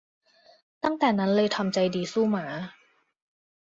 ตั้งแต่นั้นเลยทำใจดีสู้หมา